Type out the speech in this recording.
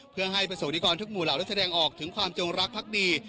เพื่อให้ประสงค์นิกรทุกหมู่เหล่านั้นแสดงออกถึงความจงรักพักดี